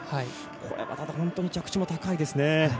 これは本当に着地も高いですね。